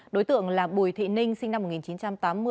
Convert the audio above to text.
đối tượng là bùi thị ninh sinh năm một nghìn chín trăm tám mươi